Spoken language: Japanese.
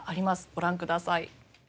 ご覧ください。